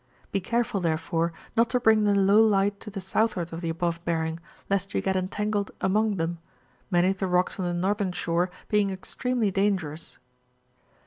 Be careAiI, therefore, not to bring the low light to the southward of the above bearing, lest you set entangled among them, many of the rocks on the northern shore being extremely dangerous.